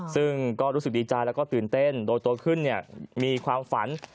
ซึ่งก็รู้สึกดีใจแล้วก็ตื่นเต้นโดยโตขึ้นมีความฝัน